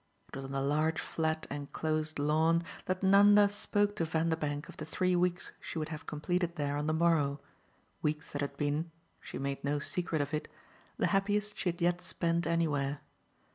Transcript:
It was on the large flat enclosed lawn that Nanda spoke to Vanderbank of the three weeks she would have completed there on the morrow weeks that had been she made no secret of it the happiest she had yet spent anywhere.